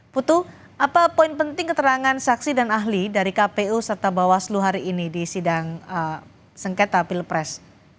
putu apa poin penting keterangan saksi dan ahli dari kpu serta bawaslu hari ini di sidang sengketa pilpres